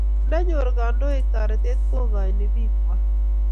Ndanyor kandoik taretet ko kaini piik kwai